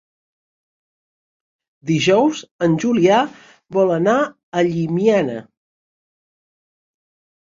Dijous en Julià vol anar a Llimiana.